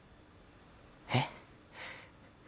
えっ？